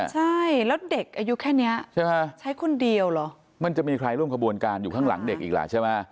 ใช่แล้วเด็กอายุแค่เนี้ยใช่ไหมใช้คนเดียวเหรอมันจะมีใครร่วมขบวนการอยู่ข้างหลังเด็กอีกล่ะใช่ไหม